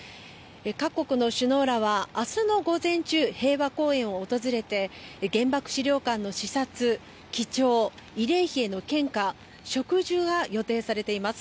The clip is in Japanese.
各国の首脳らは、明日の午前中平和公園を訪れて原爆資料館の視察、記帳慰霊碑への献花植樹が予定されています。